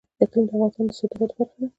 اقلیم د افغانستان د صادراتو برخه ده.